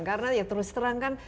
karena ya terus terang kan